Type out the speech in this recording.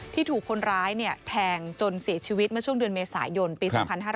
ถูกคนร้ายแทงจนเสียชีวิตเมื่อช่วงเดือนเมษายนปี๒๕๕๙